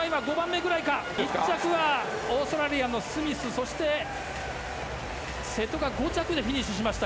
１着はオーストラリアのスミスそして瀬戸が５着でフィニッシュしました。